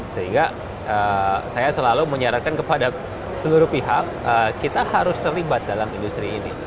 sehingga saya selalu menyarankan kepada seluruh pihak kita harus terlibat dalam industri ini